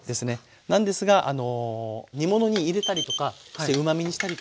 なんですが煮物に入れたりとかしてうまみにしたりとか。